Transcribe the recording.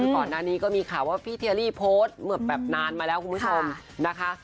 ก่อนหน้านี้ก็มีข่าวว่าพี่เทียรี่โพสต์เมื่อแบบนานมาแล้วคุณผู้ชมนะคะ